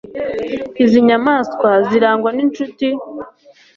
Izi nyamaswa zirangwa ninshuti